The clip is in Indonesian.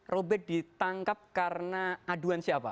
robet ditangkep karena aduan siapa